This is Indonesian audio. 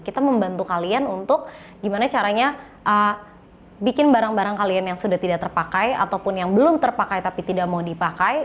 kita membantu kalian untuk gimana caranya bikin barang barang kalian yang sudah tidak terpakai ataupun yang belum terpakai tapi tidak mau dipakai